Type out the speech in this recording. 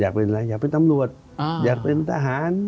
อยากเป็นอะไรอยากเป็นตำรวจอยากเป็นทหาร